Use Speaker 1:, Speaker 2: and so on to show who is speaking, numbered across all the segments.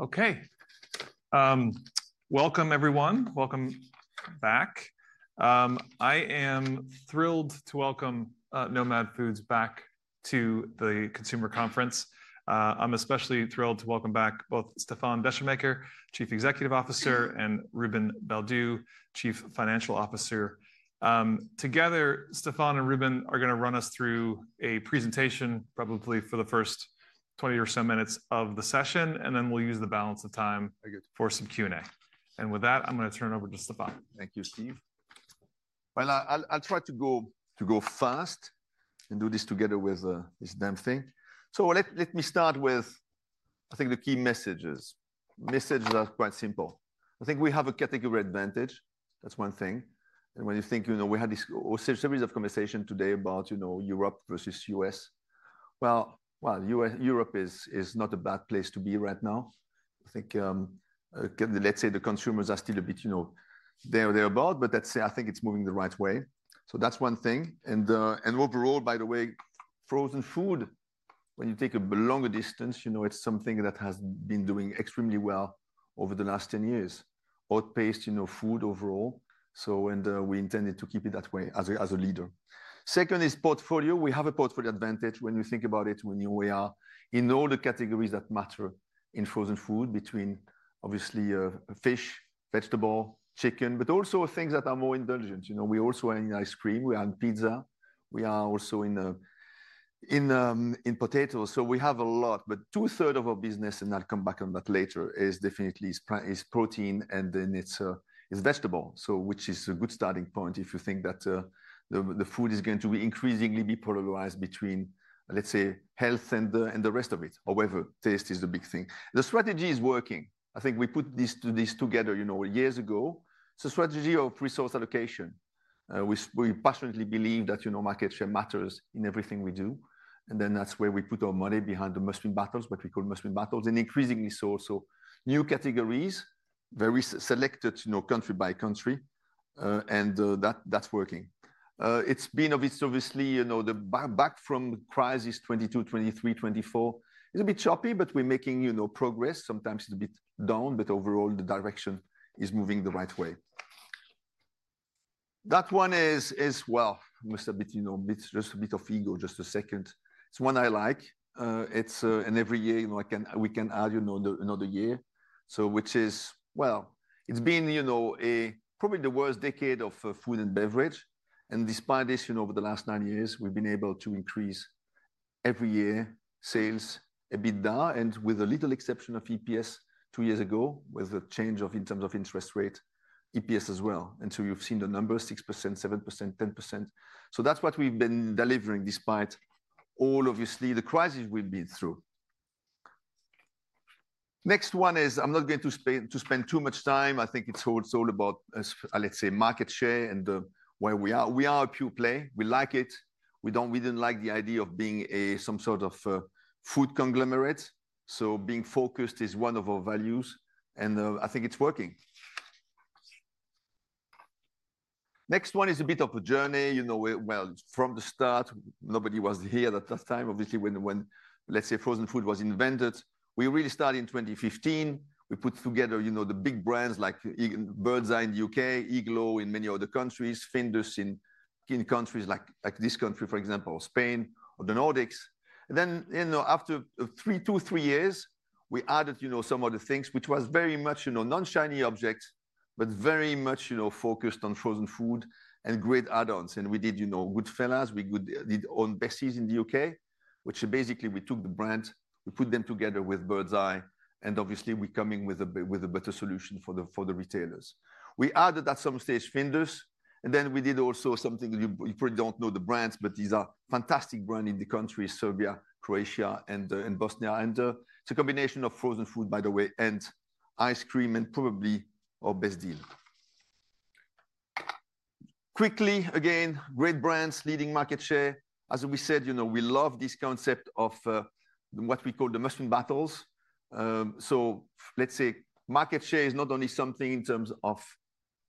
Speaker 1: Okay. Welcome, everyone. Welcome back. I am thrilled to welcome Nomad Foods back to the Consumer Conference. I am especially thrilled to welcome back both Stéfan Descheemaeker, Chief Executive Officer, and Ruben Baldew, Chief Financial Officer. Together, Stefan and Ruben are going to run us through a presentation, probably for the first 20 or so minutes of the session, and then we will use the balance of time for some Q&A. With that, I am going to turn it over to Stefan.
Speaker 2: Thank you, Steve. I'll try to go fast and do this together with this damn thing. Let me start with, I think, the key messages. Messages are quite simple. I think we have a category advantage. That is one thing. When you think, you know, we had this series of conversations today about, you know, Europe versus the U.S. Europe is not a bad place to be right now. I think, let's say, the consumers are still a bit, you know, thereabout, but that is, I think, it is moving the right way. That is one thing. Overall, by the way, frozen food, when you take a longer distance, you know, it is something that has been doing extremely well over the last 10 years. Overall food, you know, food overall. We intended to keep it that way as a leader. Second is portfolio. We have a portfolio advantage when you think about it, when you know we are in all the categories that matter in frozen food between, obviously, fish, vegetable, chicken, but also things that are more indulgent. You know, we also are in ice cream. We are in pizza. We are also in potatoes. We have a lot, but 2/3 of our business, and I'll come back on that later, is definitely protein and then it's vegetable, which is a good starting point if you think that the food is going to increasingly be polarized between, let's say, health and the rest of it. However, taste is the big thing. The strategy is working. I think we put this together, you know, years ago. It's a strategy of resource allocation. We passionately believe that, you know, market share matters in everything we do. That is where we put our money behind the must-win battles, what we call must-win battles, and increasingly so. New categories, very selected, you know, country by country. That is working. It has been, obviously, you know, back from crisis 2022, 2023, 2024. It is a bit choppy, but we are making, you know, progress. Sometimes it is a bit down, but overall, the direction is moving the right way. That one is, it must have been, you know, just a bit of ego, just a second. It is one I like. It is an every year, you know, we can add, you know, another year. Which is, it has been, you know, probably the worst decade of food and beverage. Despite this, you know, over the last nine years, we've been able to increase every year. Sales a bit down, and with a little exception of EPS two years ago with a change in terms of interest rate, EPS as well. You have seen the numbers, 6%, 7%, 10%. That is what we've been delivering despite all, obviously, the crisis we've been through. Next one is, I'm not going to spend too much time. I think it is all about, let's say, market share and where we are. We are a pure play. We like it. We did not like the idea of being some sort of food conglomerate. Being focused is one of our values. I think it is working. Next one is a bit of a journey. You know, from the start, nobody was here at that time. Obviously, when, let's say, frozen food was invented, we really started in 2015. We put together, you know, the big brands like Birds Eye in the U.K., Iglo in many other countries, Findus in countries like this country, for example, Spain, or the Nordics. You know, after two, three years, we added, you know, some other things, which was very much, you know, non-shiny objects, but very much, you know, focused on frozen food and great add-ons. We did, you know, Goodfella's. We did Aunt Bessie's in the U.K., which basically we took the brand, we put them together with Birds Eye, and obviously we're coming with a better solution for the retailers. We added at some stage Findus, and then we did also something you probably don't know the brands, but these are fantastic brands in the country, Serbia, Croatia, and Bosnia. It is a combination of frozen food, by the way, and ice cream, and probably our best deal. Quickly, again, great brands, leading market share. As we said, you know, we love this concept of what we call the must-win battles. Market share is not only something in terms of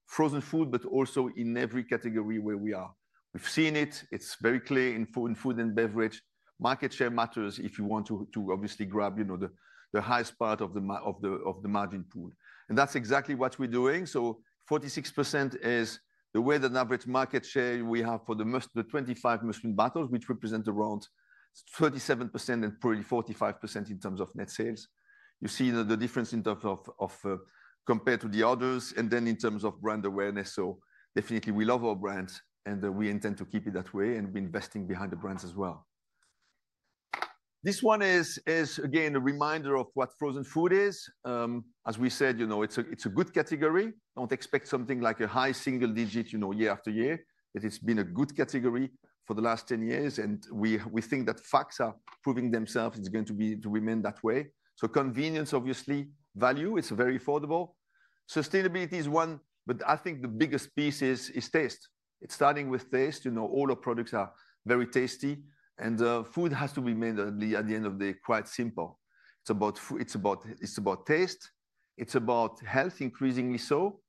Speaker 2: frozen food, but also in every category where we are. We have seen it. It is very clear in food and beverage. Market share matters if you want to obviously grab, you know, the highest part of the margin pool. That is exactly what we are doing. 46% is the average market share we have for the 25 must-win battles, which represents around 37% and probably 45% in terms of net sales. You see the difference compared to the others, and then in terms of brand awareness. So definitely we love our brands, and we intend to keep it that way, and we're investing behind the brands as well. This one is, again, a reminder of what frozen food is. As we said, you know, it's a good category. Don't expect something like a high single digit, you know, year after year. It has been a good category for the last 10 years, and we think that facts are proving themselves. It's going to remain that way. Convenience, obviously, value, it's very affordable. Sustainability is one, but I think the biggest piece is taste. It's starting with taste. You know, all our products are very tasty, and food has to remain, at the end of the day, quite simple. It's about taste. It's about health, increasingly so.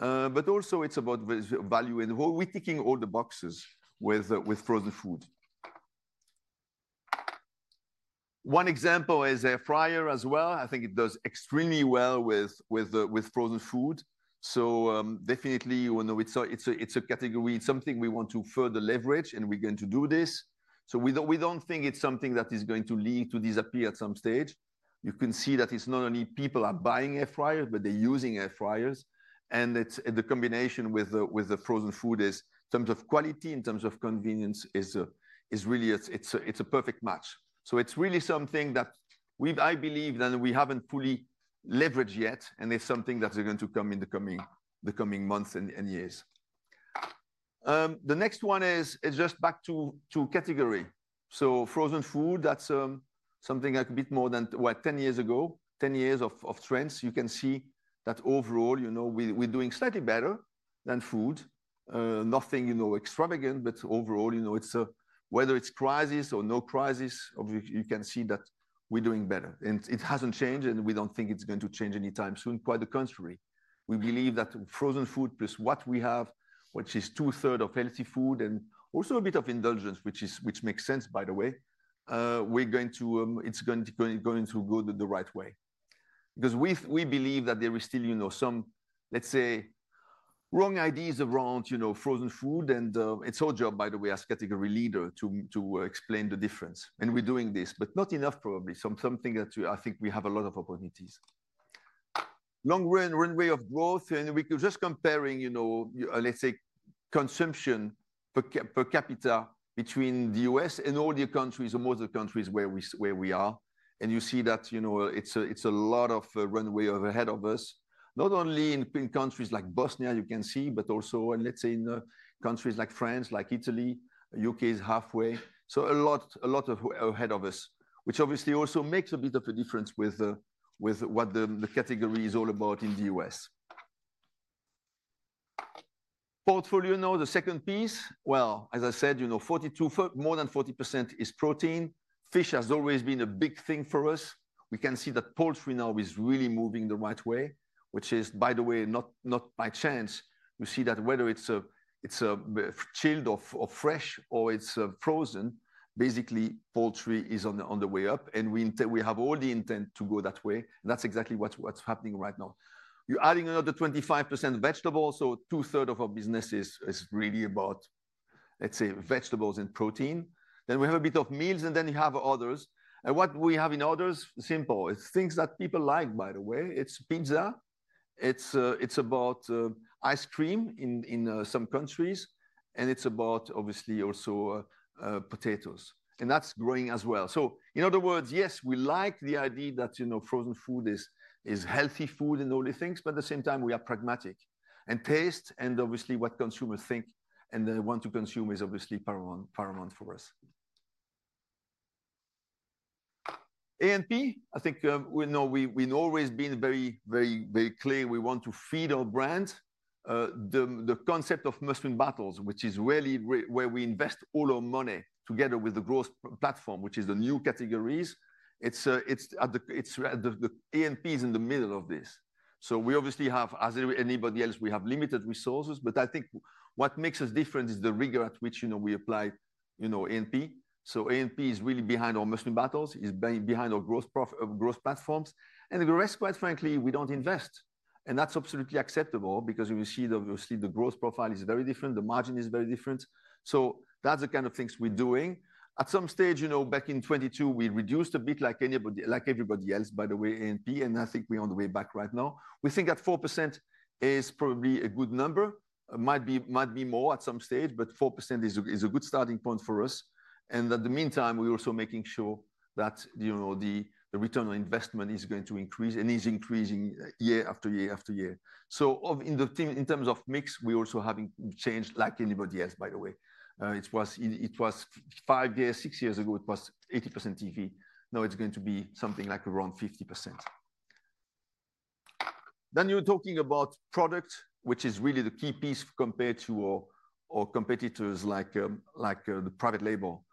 Speaker 2: Also it's about value, and we're ticking all the boxes with frozen food. One example is air fryer as well. I think it does extremely well with frozen food. So definitely, you know, it's a category, it's something we want to further leverage, and we're going to do this. We don't think it's something that is going to lead to disappear at some stage. You can see that it's not only people are buying air fryers, but they're using air fryers. The combination with the frozen food is, in terms of quality, in terms of convenience, is really a perfect match. It's really something that I believe that we haven't fully leveraged yet, and it's something that's going to come in the coming months and years. The next one is just back to category. Frozen food, that's something like a bit more than, well, 10 years ago, 10 years of trends. You can see that overall, you know, we're doing slightly better than food. Nothing, you know, extravagant, but overall, you know, whether it's crisis or no crisis, you can see that we're doing better. It hasn't changed, and we don't think it's going to change anytime soon, quite the contrary. We believe that frozen food plus what we have, which is 2/3 of healthy food, and also a bit of indulgence, which makes sense, by the way, we're going to, it's going to go the right way. We believe that there is still, you know, some, let's say, wrong ideas around, you know, frozen food, and it's our job, by the way, as category leader to explain the difference. We're doing this, but not enough, probably. Something that I think we have a lot of opportunities. Long runway of growth, and we could just comparing, you know, let's say, consumption per capita between the U.S. and all the countries, most of the countries where we are. You see that, you know, it's a lot of runway ahead of us. Not only in countries like Bosnia, you can see, but also, let's say, in countries like France, like Italy, U.K. is halfway. A lot ahead of us, which obviously also makes a bit of a difference with what the category is all about in the U.S. Portfolio, now the second piece. As I said, you know, more than 40% is protein. Fish has always been a big thing for us. We can see that poultry now is really moving the right way, which is, by the way, not by chance. You see that whether it's chilled or fresh or it's frozen, basically poultry is on the way up, and we have all the intent to go that way. That's exactly what's happening right now. You're adding another 25% vegetable, so 2/3 of our business is really about, let's say, vegetables and protein. Then we have a bit of meals, and then you have others. What we have in others, simple. It's things that people like, by the way. It's pizza. It's about ice cream in some countries, and it's about, obviously, also potatoes. That's growing as well. In other words, yes, we like the idea that, you know, frozen food is healthy food and all these things, but at the same time, we are pragmatic. Taste, and obviously what consumers think and they want to consume is obviously paramount for us. A&P, I think we know we've always been very, very, very clear. We want to feed our brand. The concept of must-win battles, which is really where we invest all our money together with the growth platform, which is the new categories. A&P is in the middle of this. We obviously have, as anybody else, we have limited resources, but I think what makes us different is the rigor at which, you know, we apply, you know, A&P. A&P is really behind our must-win battles, is behind our growth platforms. The rest, quite frankly, we don't invest. That's absolutely acceptable because you will see that obviously the growth profile is very different. The margin is very different. That's the kind of things we're doing. At some stage, you know, back in 2022, we reduced a bit like everybody else, by the way, A&P, and I think we're on the way back right now. We think that 4% is probably a good number. It might be more at some stage, but 4% is a good starting point for us. In the meantime, we're also making sure that, you know, the return on investment is going to increase and is increasing year after year after year. In terms of mix, we're also having changed like anybody else, by the way. Five years, six years ago, it was 80% TV. Now it's going to be something like around 50%. You are talking about product, which is really the key piece compared to our competitors like the private label.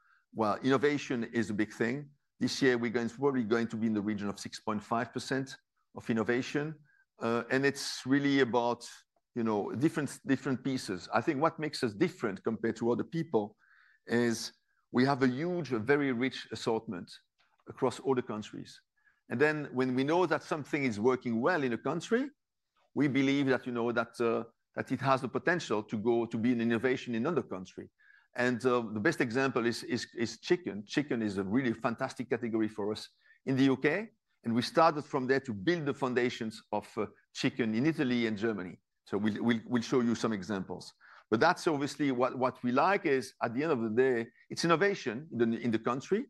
Speaker 2: Innovation is a big thing. This year, we're probably going to be in the region of 6.5% of innovation. And it's really about, you know, different pieces. I think what makes us different compared to other people is we have a huge, very rich assortment across all the countries. And then when we know that something is working well in a country, we believe that, you know, that it has the potential to go to be an innovation in another country. And the best example is chicken. Chicken is a really fantastic category for us in the U.K. And we started from there to build the foundations of chicken in Italy and Germany. So we'll show you some examples. But that's obviously what we like is at the end of the day, it's innovation in the country,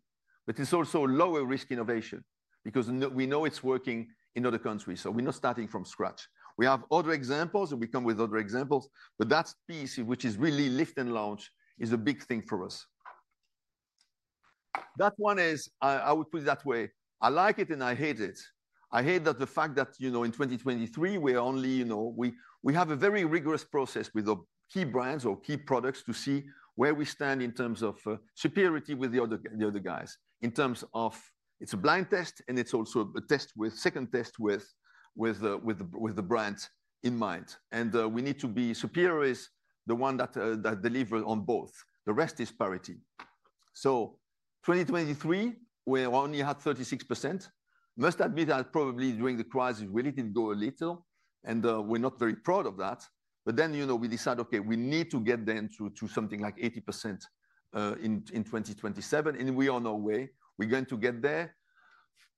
Speaker 2: but it's also lower risk innovation because we know it's working in other countries. We're not starting from scratch. We have other examples and we come with other examples, but that piece, which is really lift and launch, is a big thing for us. That one is, I would put it that way. I like it and I hate it. I hate the fact that, you know, in 2023, we're only, you know, we have a very rigorous process with key brands or key products to see where we stand in terms of superiority with the other guys. In terms of, it's a blind test and it's also a second test with the brands in mind. We need to be superior as the one that delivers on both. The rest is parity. In 2023, we only had 36%. Must admit that probably during the crisis, we really didn't go a little. We're not very proud of that. Then, you know, we decided, okay, we need to get them to something like 80% in 2027. And we are on our way. We're going to get there.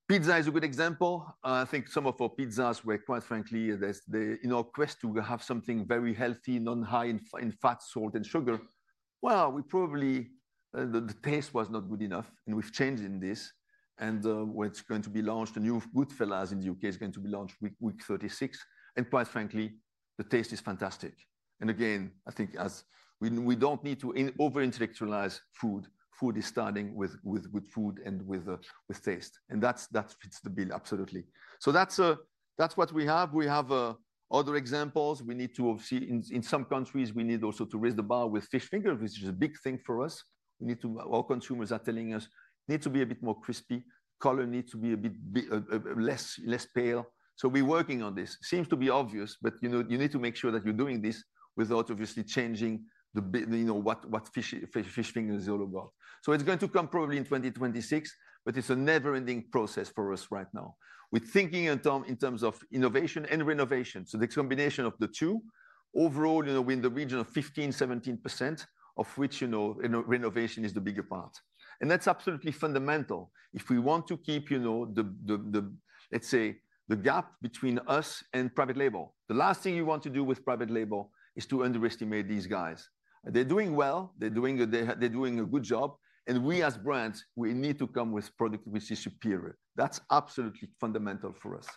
Speaker 2: Pizza is a good example. I think some of our pizzas were, quite frankly, in our quest to have something very healthy, non-high in fat, salt, and sugar. We probably, the taste was not good enough. We have changed in this. When it is going to be launched, the new Goodfella's in the U.K. is going to be launched week 36. Quite frankly, the taste is fantastic. Again, I think as we do not need to over-intellectualize food. Food is starting with good food and with taste. That fits the bill, absolutely. That is what we have. We have other examples. We need to, obviously, in some countries, we need also to raise the bar with fish fingers, which is a big thing for us. Our consumers are telling us it needs to be a bit more crispy. Color needs to be a bit less pale. So we're working on this. Seems to be obvious, but you need to make sure that you're doing this without obviously changing what fish fingers is all about. It is going to come probably in 2026, but it is a never-ending process for us right now. We're thinking in terms of innovation and renovation. This combination of the two, overall, you know, we're in the region of 15%-17%, of which, you know, renovation is the bigger part. That is absolutely fundamental. If we want to keep, you know, let's say the gap between us and private label. The last thing you want to do with private label is to underestimate these guys. They're doing well. They're doing a good job. We as brands, we need to come with product which is superior. That's absolutely fundamental for us.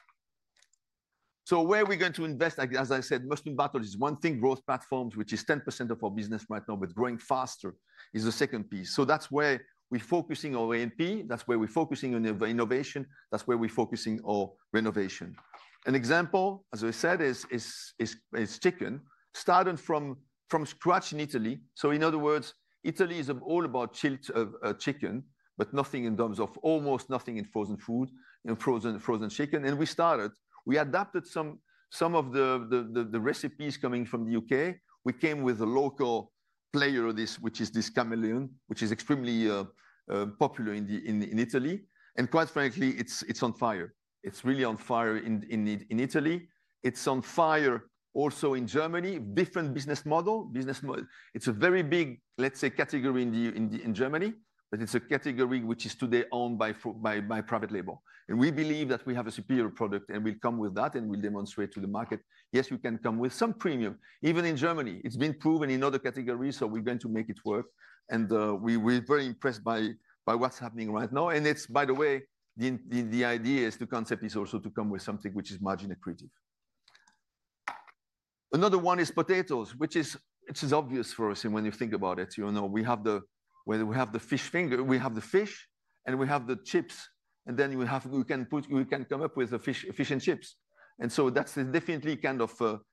Speaker 2: Where are we going to invest? As I said, must-win battles is one thing. Growth platforms, which is 10% of our business right now, but growing faster, is the second piece. That's where we're focusing our A&P. That's where we're focusing on innovation. That's where we're focusing our renovation. An example, as I said, is chicken. Started from scratch in Italy. In other words, Italy is all about chilled chicken, but nothing in terms of almost nothing in frozen food, in frozen chicken. We started, we adapted some of the recipes coming from the U.K. We came with a local player of this, which is this chameleon, which is extremely popular in Italy. Quite frankly, it's on fire. It's really on fire in Italy. It's on fire also in Germany. Different business model. It's a very big, let's say, category in Germany, but it's a category which is today owned by private label. We believe that we have a superior product and we'll come with that and we'll demonstrate to the market. Yes, we can come with some premium. Even in Germany, it's been proven in other categories, so we're going to make it work. We're very impressed by what's happening right now. By the way, the idea is the concept is also to come with something which is margin accretive. Another one is potatoes, which is obvious for us when you think about it. You know, we have the fish finger, we have the fish, and we have the chips. And then we can come up with fish and chips. That is definitely kind of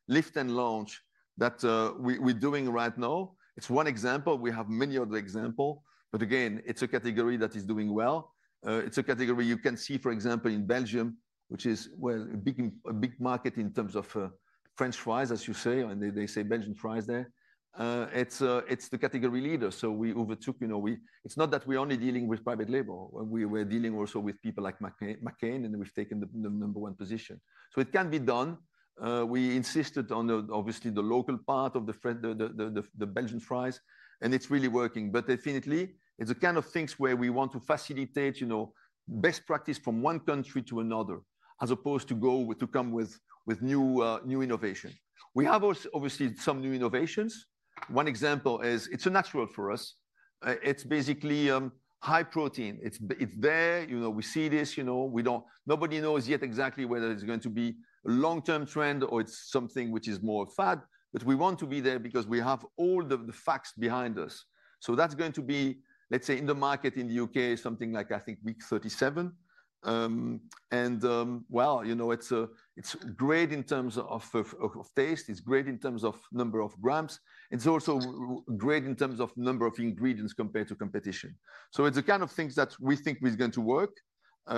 Speaker 2: lift and launch that we are doing right now. It is one example. We have many other examples. Again, it is a category that is doing well. It is a category you can see, for example, in Belgium, which is a big market in terms of French fries, as you say, and they say Belgian fries there. It is the category leader. We overtook, you know, it is not that we are only dealing with private label. We are dealing also with people like McCain, and we have taken the number one position. It can be done. We insisted on, obviously, the local part of the Belgian fries, and it is really working. It is definitely the kind of things where we want to facilitate, you know, best practice from one country to another, as opposed to come with new innovation. We have obviously some new innovations. One example is it is natural for us. It is basically high protein. It is there, you know, we see this, you know, nobody knows yet exactly whether it is going to be a long-term trend or it is something which is more fad, but we want to be there because we have all the facts behind us. That is going to be, let us say, in the market in the U.K., something like, I think, week 37. It is great in terms of taste. It is great in terms of number of grams. It is also great in terms of number of ingredients compared to competition. It is the kind of things that we think is going to work.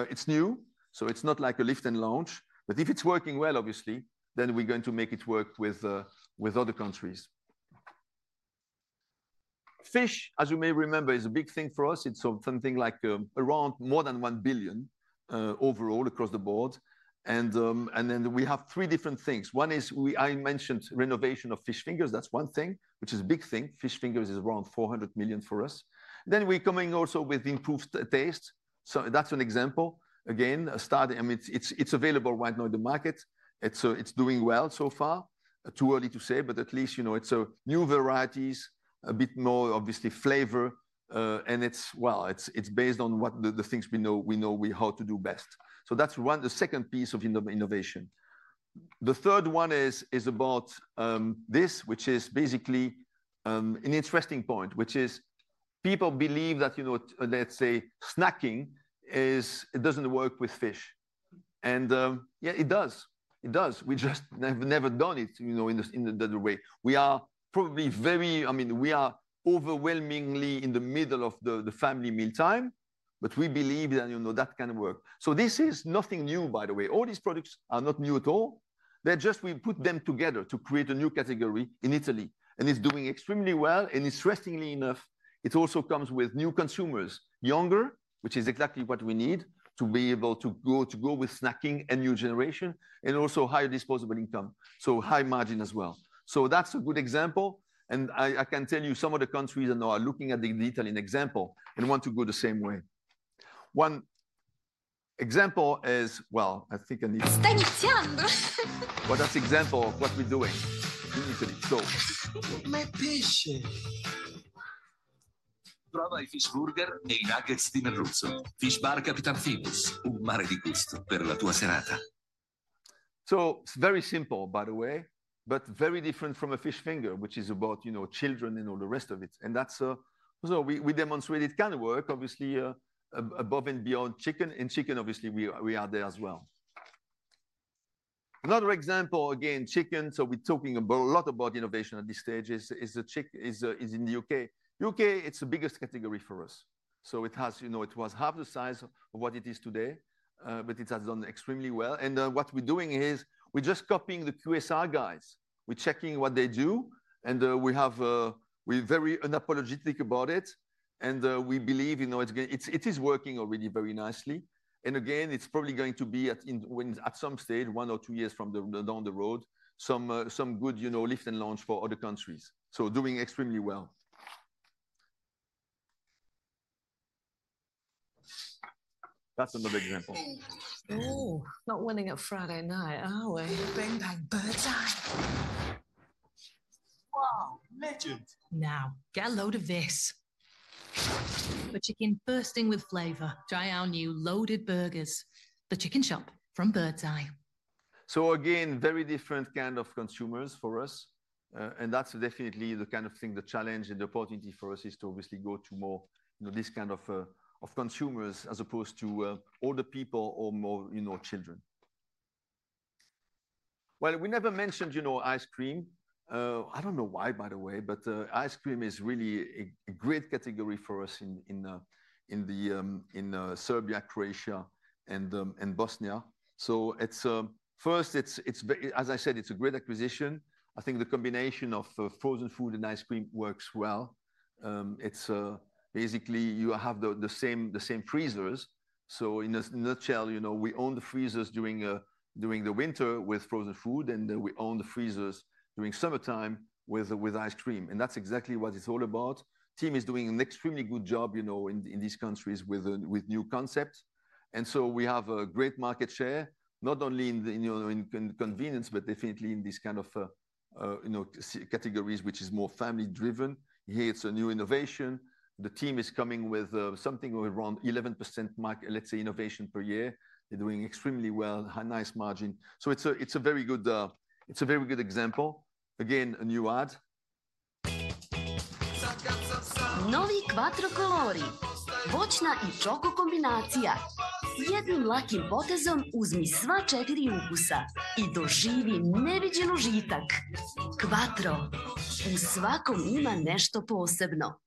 Speaker 2: It's new, so it's not like a lift and launch, but if it's working well, obviously, then we're going to make it work with other countries. Fish, as you may remember, is a big thing for us. It's something like around more than 1 billion overall across the board. And then we have three different things. One is I mentioned renovation of fish fingers. That's one thing, which is a big thing. Fish fingers is around 400 million for us. Then we're coming also with improved taste. So that's an example. Again, it's available right now in the market. It's doing well so far. Too early to say, but at least, you know, it's new varieties, a bit more, obviously, flavor. And it's, well, it's based on what the things we know how to do best. So that's the second piece of innovation. The third one is about this, which is basically an interesting point, which is people believe that, you know, let's say, snacking doesn't work with fish. And yeah, it does. It does. We just have never done it, you know, in the other way. We are probably very, I mean, we are overwhelmingly in the middle of the family mealtime, but we believe that, you know, that can work. This is nothing new, by the way. All these products are not new at all. They're just, we put them together to create a new category in Italy. It is doing extremely well. Interestingly enough, it also comes with new consumers, younger, which is exactly what we need to be able to go with snacking and new generation and also higher disposable income. High margin as well. That is a good example. I can tell you some of the countries are now looking at the Italian example and want to go the same way. One example is, I think I need to—
Speaker 3: Sta iniziando!
Speaker 2: That is an example of what we are doing in Italy.
Speaker 3: My Patience. Prova il Fish Burger nei Nuggets di Merluzzo. Fish Bar Capitan Findus, un mare di gusto per la tua serata.
Speaker 2: It is very simple, by the way, but very different from a fish finger, which is about, you know, children and all the rest of it. That is also where we demonstrated it can work, obviously, above and beyond chicken. Chicken, obviously, we are there as well. Another example, again, chicken. We are talking a lot about innovation at this stage in the U.K. U.K., it is the biggest category for us. It has, you know, it was half the size of what it is today, but it has done extremely well. What we're doing is we're just copying the QSR guys. We're checking what they do. We're very unapologetic about it. We believe, you know, it is working already very nicely. Again, it's probably going to be at some stage, one or two years down the road, some good, you know, lift and launch for other countries. Doing extremely well. That's another example.
Speaker 3: Ooh, not winning at Friday night, are we? Bang Bang Birds Eye. Wow, legend. Now, get a load of this. The chicken bursting with flavor. Try our new loaded burgers. The Chicken Shop from Birds Eye.
Speaker 2: Again, very different kind of consumers for us. That is definitely the kind of thing, the challenge and the opportunity for us is to obviously go to more, you know, this kind of consumers as opposed to older people or more, you know, children. We never mentioned, you know, ice cream. I do not know why, by the way, but ice cream is really a great category for us in Serbia, Croatia, and Bosnia. First, as I said, it is a great acquisition. I think the combination of frozen food and ice cream works well. It is basically you have the same freezers. In a nutshell, you know, we own the freezers during the winter with frozen food, and we own the freezers during summertime with ice cream. That is exactly what it is all about. The team is doing an extremely good job, you know, in these countries with new concepts. We have a great market share, not only in convenience, but definitely in these kind of, you know, categories, which is more family-driven. Here, it's a new innovation. The team is coming with something around 11% market, let's say, innovation per year. They're doing extremely well, high nice margin. So it's a very good, it's a very good example. Again, a new ad.
Speaker 3: Novi Quattro Colori! Voćna i čoko kombinacija. Jednim lakim potezom uzmi sva četiri ukusa i doživi neviđen užitak. Quattro, u svakom ima nešto posebno.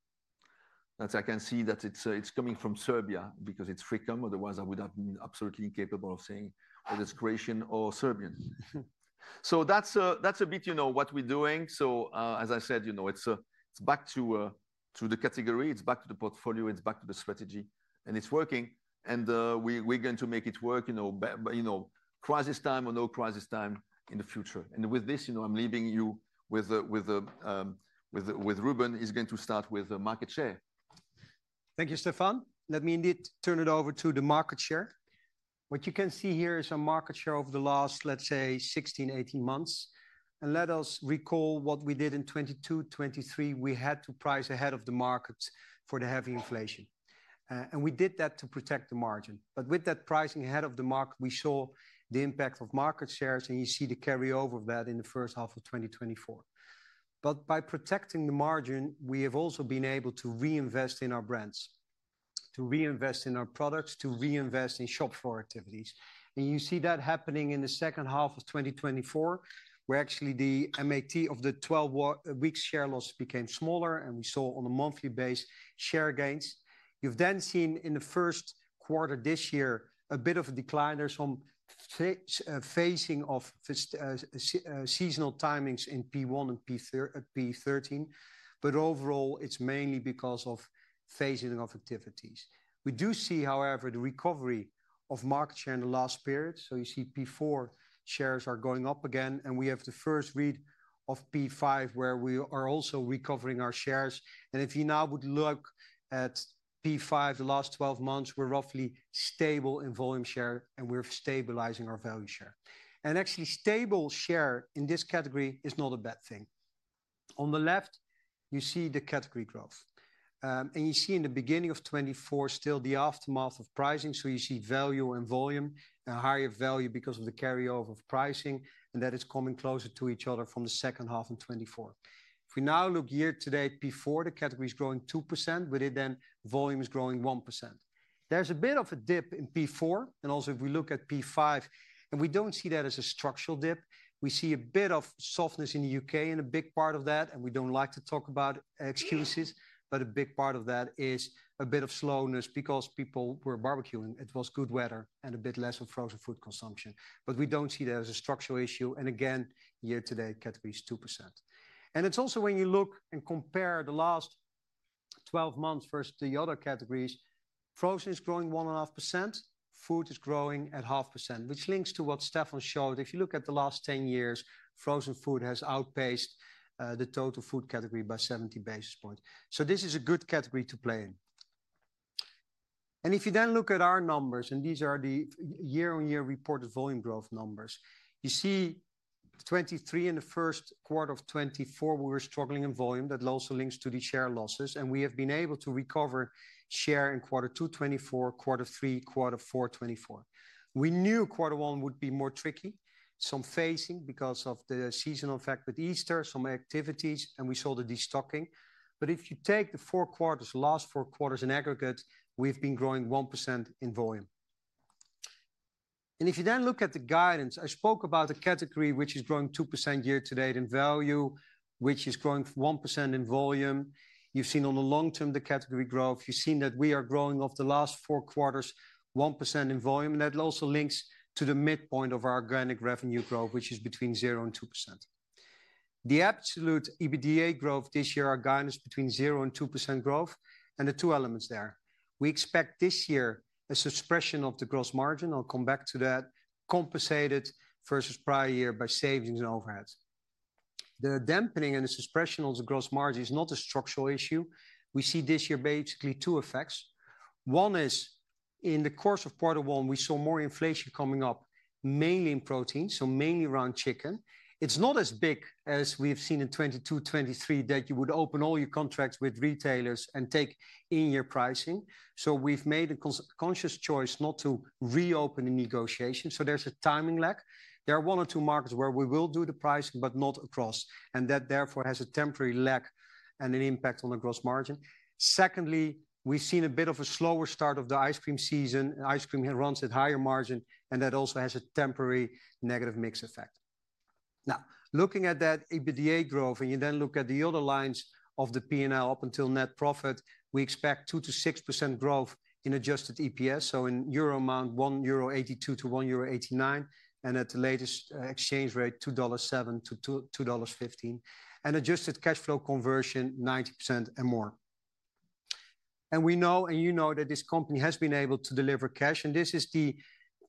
Speaker 2: I can see that it's coming from Serbia because it's Frikom, otherwise I would have been absolutely incapable of saying whether it's Croatian or Serbian. That's a bit, you know, what we're doing. As I said, you know, it's back to the category, it's back to the portfolio, it's back to the strategy, and it's working. We're going to make it work, you know, crisis time or no crisis time in the future. With this, you know, I'm leaving you with Ruben, who is going to start with market share.
Speaker 4: Thank you, Stefan. Let me indeed turn it over to the market share. What you can see here is a market share over the last, let's say, 16-18 months. Let us recall what we did in 2022-2023. We had to price ahead of the market for the heavy inflation. We did that to protect the margin. With that pricing ahead of the market, we saw the impact of market shares, and you see the carryover of that in the first half of 2024. By protecting the margin, we have also been able to reinvest in our brands, to reinvest in our products, to reinvest in shop floor activities. You see that happening in the second half of 2024, where actually the MAT of the 12-week share loss became smaller, and we saw on a monthly base share gains. You have then seen in the first quarter this year a bit of a decline. There is some phasing of seasonal timings in P1 and P13, but overall, it is mainly because of phasing of activities. We do see, however, the recovery of market share in the last period. You see P4 shares are going up again, and we have the first read of P5, where we are also recovering our shares. If you now would look at P5, the last 12 months, we are roughly stable in volume share, and we are stabilizing our value share. Actually, stable share in this category is not a bad thing. On the left, you see the category growth. You see in the beginning of 2024, still the aftermath of pricing. You see value and volume, a higher value because of the carryover of pricing, and that is coming closer to each other from the second half in 2024. If we now look year to date, P4, the category is growing 2%, with it then volume is growing 1%. There is a bit of a dip in P4, and also if we look at P5, and we do not see that as a structural dip. We see a bit of softness in the U.K., and a big part of that, and we do not like to talk about excuses, but a big part of that is a bit of slowness because people were barbecuing. It was good weather and a bit less of frozen food consumption. We do not see that as a structural issue. Again, year to date, category is 2%. It is also when you look and compare the last 12 months versus the other categories, frozen is growing 1.5%, food is growing at 0.5%, which links to what Stefan showed. If you look at the last 10 years, frozen food has outpaced the total food category by 70 bps. This is a good category to play in. If you then look at our numbers, and these are the year-on-year reported volume growth numbers, you see 2023 and the first quarter of 2024, we were struggling in volume. That also links to the share losses, and we have been able to recover share in quarter two 2024, quarter three, quarter four 2024. We knew quarter one would be more tricky, some phasing because of the seasonal effect with Easter, some activities, and we saw the destocking. If you take the four quarters, last four quarters in aggregate, we've been growing 1% in volume. If you then look at the guidance, I spoke about a category which is growing 2% year to date in value, which is growing 1% in volume. You've seen on the long term the category growth. You've seen that we are growing over the last four quarters, 1% in volume. That also links to the midpoint of our organic revenue growth, which is between 0% and 2%. The absolute EBITDA growth this year, our guidance is between 0% and 2% growth, and the two elements there. We expect this year a suppression of the gross margin. I'll come back to that. Compensated versus prior year by savings and overhead. The dampening and the suppression of the gross margin is not a structural issue. We see this year basically two effects. One is in the course of quarter one, we saw more inflation coming up, mainly in protein, so mainly around chicken. It's not as big as we've seen in 2022, 2023 that you would open all your contracts with retailers and take in your pricing. So we've made a conscious choice not to reopen the negotiation. There's a timing lag. There are one or two markets where we will do the pricing, but not across. That therefore has a temporary lag and an impact on the gross margin. Secondly, we've seen a bit of a slower start of the ice cream season. Ice cream runs at higher margin, and that also has a temporary negative mix effect. Now, looking at that EBITDA growth, and you then look at the other lines of the P&L up until net profit, we expect 2% to 6% growth in adjusted EPS. In euro amount, 1.82 euro to 1.89 euro, and at the latest exchange rate, $2.07 to $2.15, and adjusted cash flow conversion, 90% and more. We know, and you know, that this company has been able to deliver cash, and this is the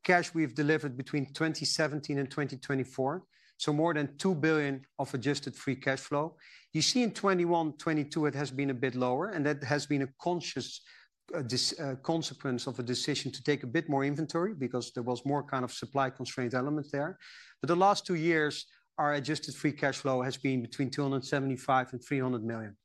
Speaker 4: cash we have delivered between 2017 and 2024. More than 2 billion of adjusted free cash flow. You see in 2021, 2022, it has been a bit lower, and that has been a conscious consequence of a decision to take a bit more inventory because there was more kind of supply constraint element there. The last two years, our adjusted free cash flow has been between 275 million and 300 million.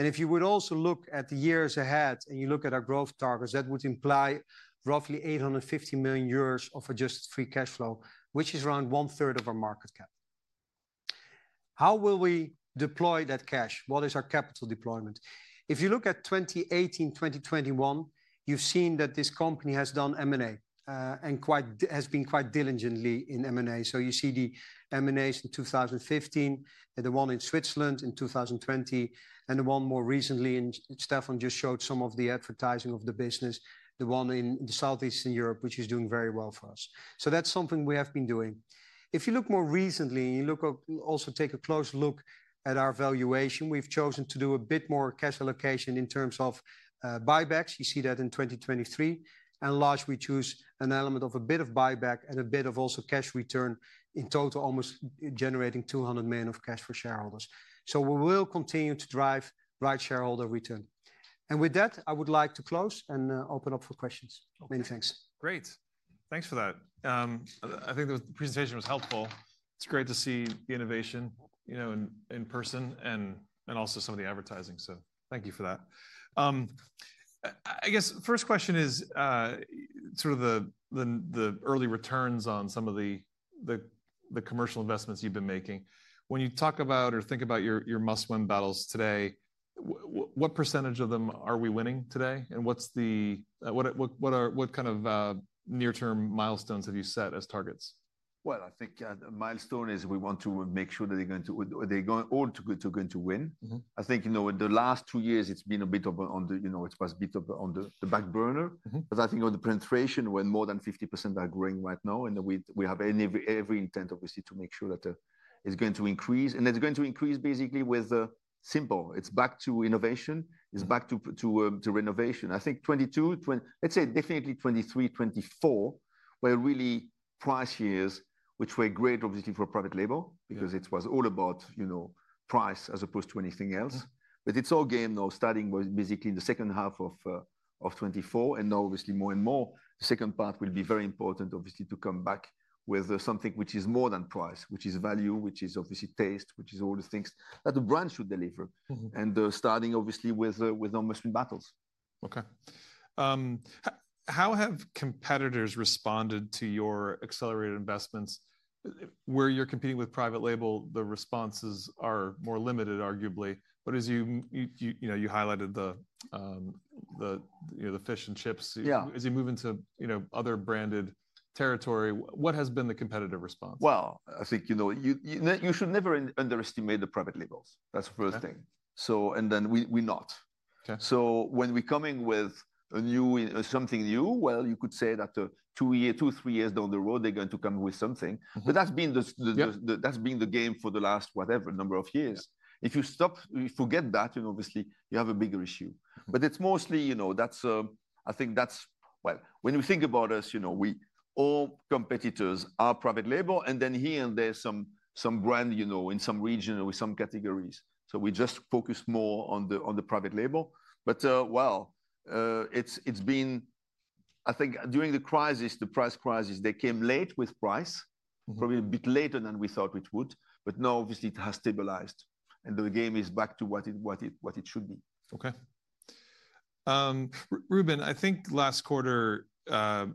Speaker 4: If you would also look at the years ahead and you look at our growth targets, that would imply roughly 850 million euros of adjusted free cash flow, which is around 1/3 of our market cap. How will we deploy that cash? What is our capital deployment? If you look at 2018, 2021, you've seen that this company has done M&A and has been quite diligent in M&A. You see the M&As in 2015, the one in Switzerland in 2020, and the one more recently in Stefan just showed some of the advertising of the business, the one in Southeastern Europe, which is doing very well for us. That's something we have been doing. If you look more recently, and you also take a close look at our valuation, we've chosen to do a bit more cash allocation in terms of buybacks. You see that in 2023. In large, we choose an element of a bit of buyback and a bit of also cash return in total, almost generating 200 million of cash for shareholders. We will continue to drive right shareholder return. With that, I would like to close and open up for questions. Many thanks.
Speaker 1: Great. Thanks for that. I think the presentation was helpful. It's great to see the innovation, you know, in person and also some of the advertising. Thank you for that. I guess first question is sort of the early returns on some of the commercial investments you've been making. When you talk about or think about your must-win battles today, what percentage of them are we winning today? What kind of near-term milestones have you set as targets?
Speaker 2: I think the milestone is we want to make sure that they're going to all to going to win. I think, you know, in the last two years, it's been a bit of on the, you know, it was a bit of on the back burner. I think on the penetration, when more than 50% are growing right now, and we have every intent, obviously, to make sure that it's going to increase. It's going to increase basically with simple. It's back to innovation. It's back to renovation. I think 2022, let's say definitely 2023, 2024 were really price years, which were a great opportunity for private label because it was all about, you know, price as opposed to anything else. It's all game now, starting basically in the second half of 2024, and now obviously more and more. The second part will be very important, obviously, to come back with something which is more than price, which is value, which is obviously taste, which is all the things that the brand should deliver. Starting obviously with almost battles.
Speaker 1: Okay. How have competitors responded to your accelerated investments? Where you're competing with private label, the responses are more limited, arguably. As you, you know, you highlighted the, you know, the fish and chips. As you move into, you know, other branded territory, what has been the competitive response?
Speaker 2: I think, you know, you should never underestimate the private labels. That's the first thing. So, and then we not. When we're coming with a new, something new, you could say that two, three years down the road, they're going to come with something. That's been the game for the last whatever number of years. If you stop, if you forget that, you know, obviously you have a bigger issue. It's mostly, you know, that's, I think that's, when we think about us, you know, all competitors are private label, and then here and there is some brand, you know, in some region with some categories. We just focus more on the private label. It's been, I think during the crisis, the price crisis, they came late with price, probably a bit later than we thought it would. Now obviously it has stabilized. The game is back to what it should be.
Speaker 1: Okay. Ruben, I think last quarter,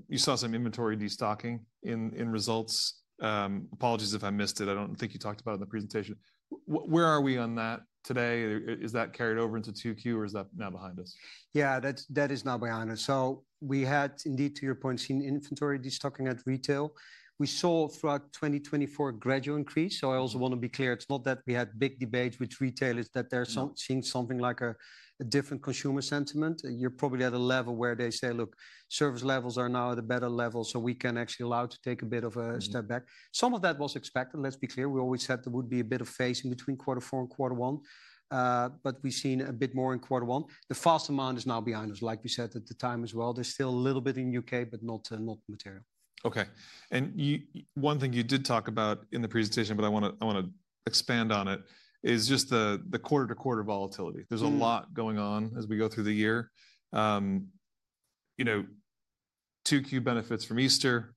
Speaker 1: you saw some inventory destocking in results. Apologies if I missed it. I do not think you talked about it in the presentation. Where are we on that today? Is that carried over into Q2 or is that now behind us?
Speaker 4: Yeah, that is now behind us. We had indeed, to your point, seen inventory destocking at retail. We saw throughout 2024 a gradual increase. I also want to be clear, it is not that we had big debates with retailers, that they are seeing something like a different consumer sentiment. You are probably at a level where they say, look, service levels are now at a better level, so we can actually allow to take a bit of a step back. Some of that was expected, let us be clear. We always said there would be a bit of phasing between quarter four and quarter one, but we have seen a bit more in quarter one. The fast amount is now behind us, like we said at the time as well. There is still a little bit in the U.K., but not material.
Speaker 1: Okay. You know, one thing you did talk about in the presentation, but I want to, I want to expand on it, is just the quarter to quarter volatility. There is a lot going on as we go through the year. You know, 2Q benefits from Easter,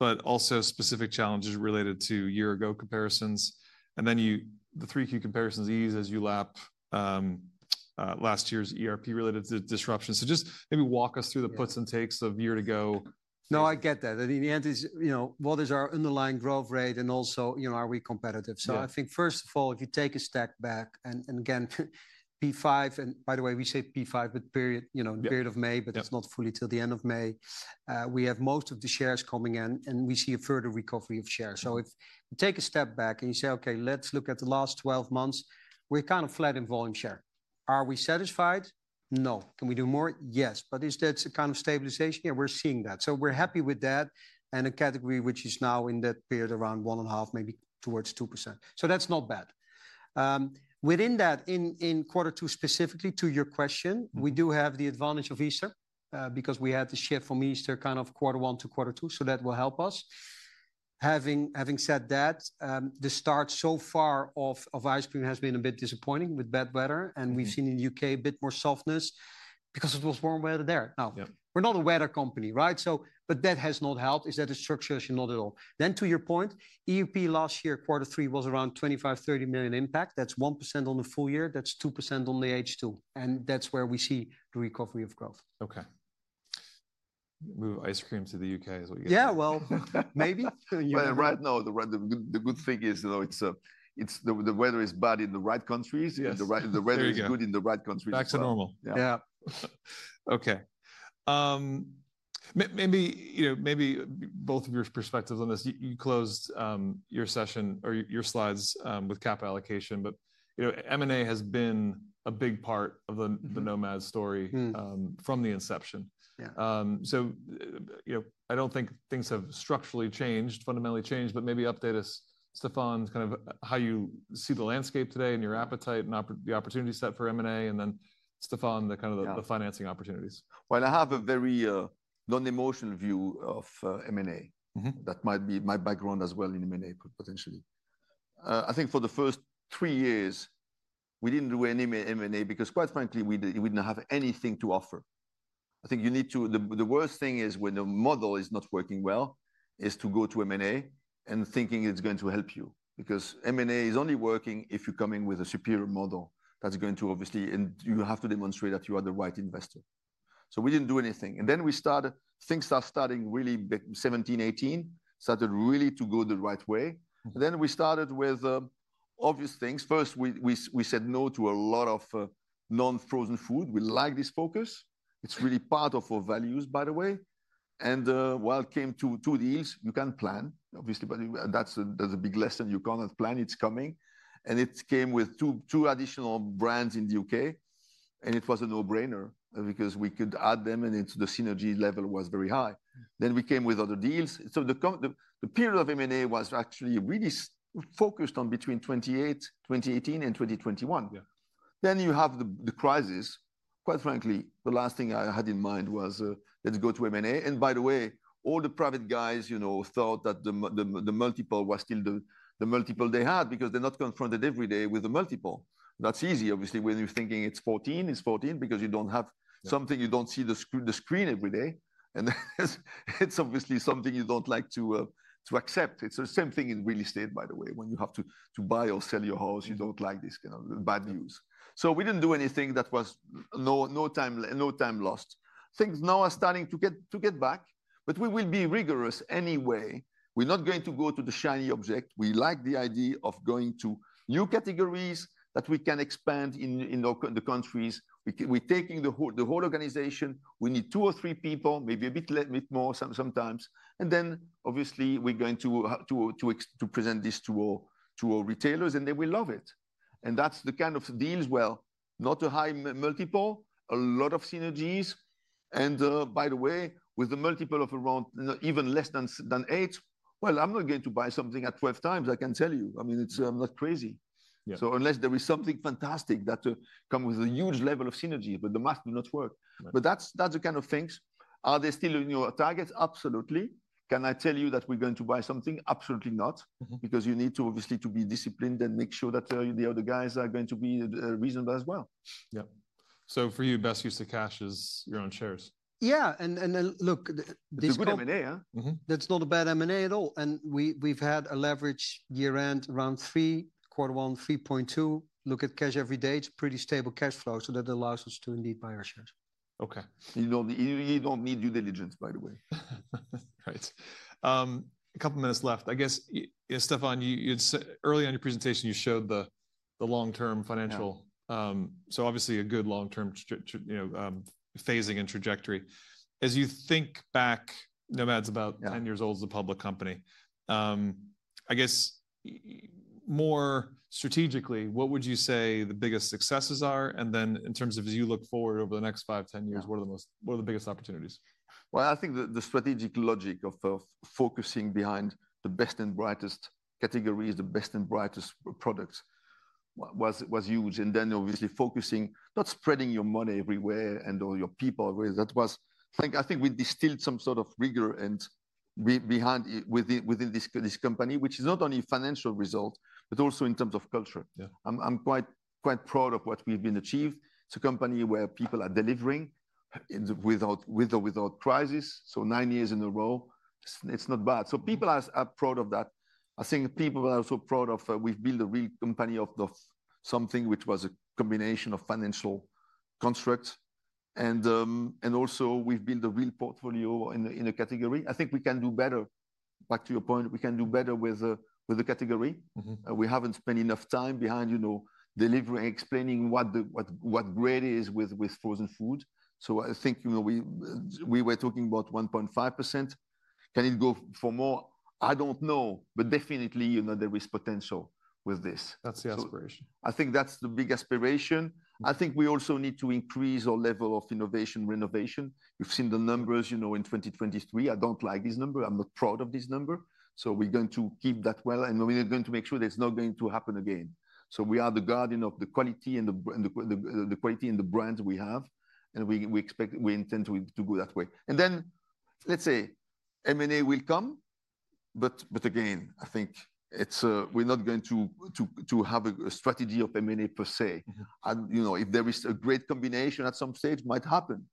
Speaker 1: but also specific challenges related to year-ago comparisons. You know, 3Q comparisons ease as you lap last year's ERP related to disruption. Just maybe walk us through the puts and takes of year-ago.
Speaker 4: No, I get that. The answer is, you know, well, there is our underlying growth rate and also, you know, are we competitive? I think first of all, if you take a step back and again, P5, and by the way, we say P5 with period, you know, period of May, but it is not fully till the end of May. We have most of the shares coming in, and we see a further recovery of shares. If you take a step back and you say, okay, let's look at the last 12 months, we are kind of flat in volume share. Are we satisfied? No. Can we do more? Yes. Is that a kind of stabilization? Yeah, we are seeing that. We are happy with that. A category which is now in that period around 1.5%, maybe towards 2%. That is not bad. Within that, in quarter two, specifically to your question, we do have the advantage of Easter because we had the shift from Easter kind of quarter one to quarter two. That will help us. Having said that, the start so far of ice cream has been a bit disappointing with bad weather. We've seen in the U.K. a bit more softness because it was warm weather there. Now, we're not a weather company, right? That has not helped. Is that a structural issue? Not at all. To your point, ERP last year, quarter three was around 25 million-30 million impact. That's 1% on the full year. That's 2% on the H2. That's where we see the recovery of growth.
Speaker 1: Okay. Move ice cream to the U.K. is what you get.
Speaker 4: Yeah, maybe.
Speaker 2: Right now, the good thing is, you know, the weather is bad in the right countries. The weather is good in the right countries.
Speaker 4: Back to normal.
Speaker 1: Yeah. Okay. Maybe, you know, maybe both of your perspectives on this. You closed your session or your slides with cap allocation, but you know, M&A has been a big part of the Nomad story from the inception.
Speaker 2: Yeah.
Speaker 1: You know, I do not think things have structurally changed, fundamentally changed, but maybe update us, Stefan, kind of how you see the landscape today and your appetite and the opportunity set for M&A and then, Stefan, the kind of the financing opportunities.
Speaker 2: I have a very non-emotional view of M&A. That might be my background as well in M&A potentially. I think for the first three years, we did not do any M&A because, quite frankly, we did not have anything to offer. I think you need to, the worst thing is when the model is not working well is to go to M&A and thinking it is going to help you because M&A is only working if you are coming with a superior model that is going to, obviously, and you have to demonstrate that you are the right investor. We did not do anything. Then we started, things started starting really 2017, 2018, started really to go the right way. We started with obvious things. First, we said no to a lot of non-frozen food. We like this focus. It is really part of our values, by the way. While it came to two deals, you cannot plan, obviously, but that is a big lesson. You cannot plan. It is coming. It came with two additional brands in the U.K. It was a no-brainer because we could add them and the synergy level was very high. We came with other deals. The period of M&A was actually really focused on between 2018 and 2021. You have the crisis. Quite frankly, the last thing I had in mind was let's go to M&A. By the way, all the private guys, you know, thought that the multiple was still the multiple they had because they're not confronted every day with the multiple. That's easy, obviously, when you're thinking it's 14, it's 14 because you don't have something, you don't see the screen every day. It's obviously something you don't like to accept. It's the same thing in real estate, by the way, when you have to buy or sell your house, you don't like this kind of bad news. We didn't do anything that was no time lost. Things now are starting to get back, but we will be rigorous anyway. We're not going to go to the shiny object. We like the idea of going to new categories that we can expand in the countries. We're taking the whole organization. We need two or three people, maybe a bit more, sometimes. Obviously, we're going to present this to all retailers and they will love it. That's the kind of deals. Not a high multiple, a lot of synergies. By the way, with the multiple of around even less than eight, I'm not going to buy something at 12 times, I can tell you. I mean, it's not crazy. Unless there is something fantastic that comes with a huge level of synergy, but the math does not work. That's the kind of things. Are there still, you know, targets? Absolutely. Can I tell you that we're going to buy something? Absolutely not. Because you need to obviously be disciplined and make sure that the other guys are going to be reasonable as well.
Speaker 1: Yeah. For you, best use of cash is your own shares.
Speaker 4: Yeah. Look
Speaker 2: this is a good M&A.
Speaker 4: That's not a bad M&A at all. We've had a leverage year-end around three, quarter one, 3.2%. Look at cash every day. It's pretty stable cash flow. That allows us to indeed buy our shares.
Speaker 1: Okay. You don't need due diligence, by the way. Right. A couple of minutes left. I guess, Stefan, early on your presentation, you showed the long-term financial. So obviously a good long-term, you know, phasing and trajectory. As you think back, Nomad's about 10 years old as a public company. I guess more strategically, what would you say the biggest successes are? And then in terms of as you look forward over the next five, ten years, what are the most, what are the biggest opportunities?
Speaker 2: I think the strategic logic of focusing behind the best and brightest categories, the best and brightest products was huge. And then obviously focusing, not spreading your money everywhere and all your people everywhere. That was, I think we distilled some sort of rigor behind within this company, which is not only financial result, but also in terms of culture. I'm quite proud of what we've been achieved. It's a company where people are delivering without crisis. Nine years in a row, it's not bad. People are proud of that. I think people are also proud of we've built a real company of something which was a combination of financial constructs. Also, we've built a real portfolio in a category. I think we can do better. Back to your point, we can do better with the category. We haven't spent enough time behind, you know, delivering, explaining what great is with frozen food. I think, you know, we were talking about 1.5%. Can it go for more? I don't know, but definitely, you know, there is potential with this.
Speaker 1: That's the aspiration.
Speaker 2: I think that's the big aspiration. I think we also need to increase our level of innovation, renovation. You've seen the numbers, you know, in 2023. I don't like this number. I'm not proud of this number. We are going to keep that well. We are going to make sure that it is not going to happen again. We are the guardian of the quality and the brands we have. We expect, we intend to go that way. M&A will come. Again, I think we are not going to have a strategy of M&A per se. You know, if there is a great combination at some stage, it might happen.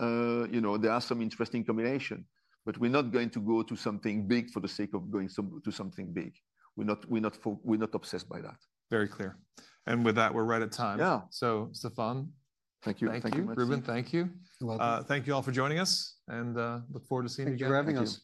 Speaker 2: You know, there are some interesting combinations, but we are not going to go to something big for the sake of going to something big. We are not obsessed by that.
Speaker 1: Very clear. With that, we are right at time. Yeah. Stefan.
Speaker 2: Thank you.
Speaker 1: Thank you, Ruben.
Speaker 4: Thank you.
Speaker 1: Thank you all for joining us and look forward to seeing you again. Thank you for having us.